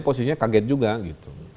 posisinya kaget juga gitu